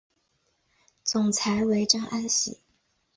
总裁为张安喜。